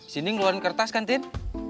sini ngeluarin kertas kan tin